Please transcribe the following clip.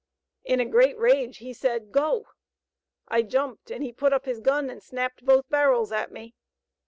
In a great rage he said 'go.' I jumped, and he put up his gun and snapped both barrels at me.